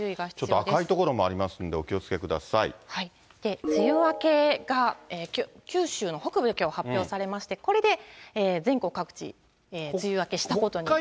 ちょっと赤い所もありますん梅雨明けが九州の北部できょう発表されまして、これで全国各地、梅雨明けしたことになります。